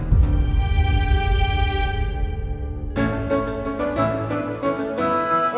ketemu sama siapa